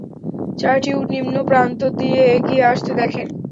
চারটি উট নিম্নপ্রান্ত দিয়ে এগিয়ে আসতে দেখেন।